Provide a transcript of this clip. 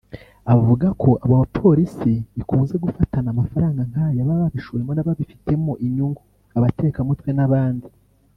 Avuga ko abo Polisi ikunze gufatana amafaranga nk’aya baba babishowemo n’ababifitemo inyungu (abatekamutwe n’abandi)